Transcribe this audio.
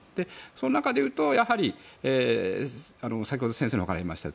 その中で言うとやはり先ほど先生のお話にもありました